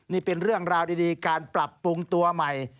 นี่เป็นเรื่องราวดีการปรับปรุงตัวใหม่